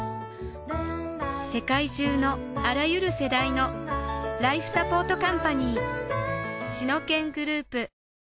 世界中のあらゆる世代のライフサポートカンパニーシノケングループ